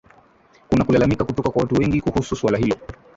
kuna kulalamika kutoka kwa watu wengi kuhusu swala hilo